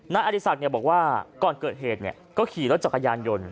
อดีศักดิ์บอกว่าก่อนเกิดเหตุก็ขี่รถจักรยานยนต์